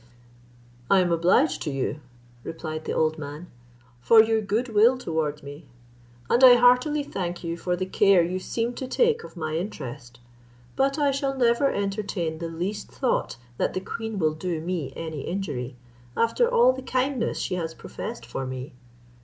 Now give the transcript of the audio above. "I am obliged to you," replied the old man, "for your good will towards me, and I heartily thank you for the care you seem to take of my interest; but I shall never entertain the least thought that the queen will do me any injury, after all the kindness she has professed for me.